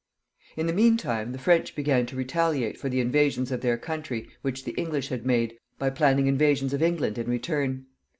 In the mean time, the French began to retaliate for the invasions of their country which the English had made, by planning invasions of England in return.